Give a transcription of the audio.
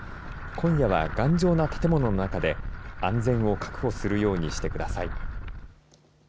今夜は頑丈な建物の中で安全を確保するようにしてください。